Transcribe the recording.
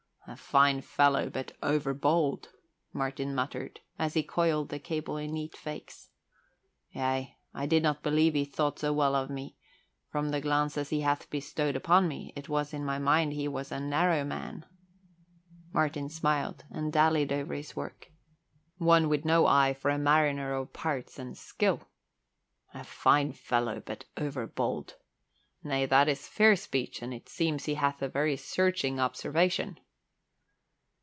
"A fine fellow, but overbold," Martin muttered, as he coiled the cable in neat fakes. "Yea, I did not believe he thought so well of me. From the glances he hath bestowed upon me, it was in my mind he was a narrow man, " Martin smiled and dallied over his work, "one with no eye for a mariner of parts and skill. 'A fine fellow, but overbold!' Nay, that is fair speech and it seems he hath a very searching observation."